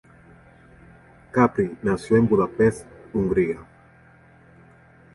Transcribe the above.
Capri nació en Budapest, Hungría.